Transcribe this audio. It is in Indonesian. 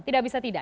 tidak bisa tidak